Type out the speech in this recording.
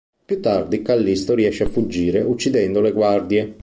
Più tardi, Callisto riesce a fuggire, uccidendo le guardie.